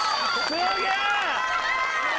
すげえ！